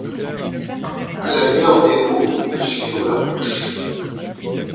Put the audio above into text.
A la lueur des mots on peut suivre leurs bouches.